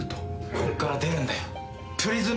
こっから出るんだよ。